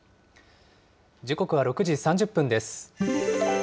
時刻は６時３０分です。